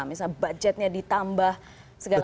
misalnya budgetnya ditambah segala macam